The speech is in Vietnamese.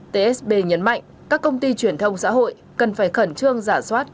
tsb nhấn mạnh các công ty truyền thông xã hội cần phải khẩn trương giả soát